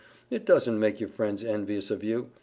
It doesn't make your friends envious of you.